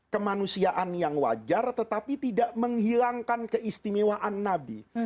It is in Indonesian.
kemanusiaan yang wajar tetapi tidak menghilangkan keistimewaan nabi